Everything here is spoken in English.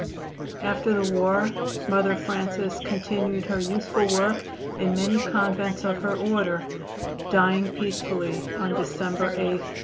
After the war Mother Frances continued her useful work in many convents of her order, dying peacefully on December 8, 1888.